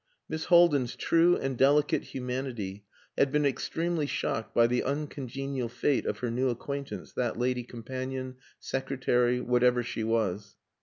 Miss Haldin's true and delicate humanity had been extremely shocked by the uncongenial fate of her new acquaintance, that lady companion, secretary, whatever she was.